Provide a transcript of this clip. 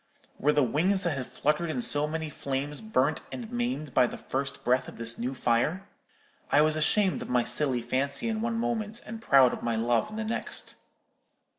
Were the wings that had fluttered in so many flames burnt and maimed by the first breath of this new fire? I was ashamed of my silly fancy in one moment, and proud of my love in the next.